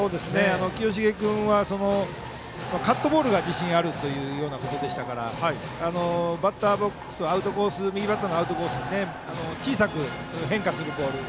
清重君はカットボールに自信があるということでしたから右バッターのアウトコースに小さく変化するボール。